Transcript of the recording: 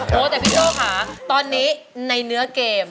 โอ้โหแต่พี่โจ้ค่ะตอนนี้ในเนื้อเกม